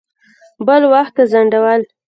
بل وخت ته ځنډول.